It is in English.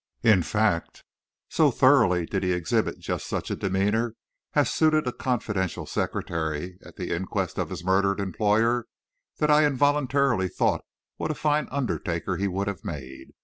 In fact, so thoroughly did he exhibit just such a demeanor as suited a confidential secretary at the inquest of his murdered employer, that I involuntarily thought what a fine undertaker he would have made.